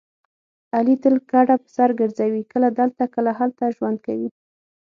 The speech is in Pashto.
علي تل کډه په سر ګرځوي کله دلته کله هلته ژوند کوي.